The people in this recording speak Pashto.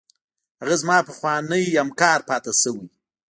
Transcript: هغه زما پخوانی همکار پاتې شوی.